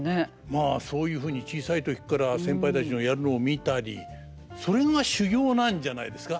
まあそういうふうに小さい時から先輩たちのやるのを見たりそれが修業なんじゃないですか。